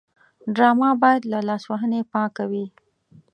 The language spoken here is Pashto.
ډرامه باید له لاسوهنې پاکه وي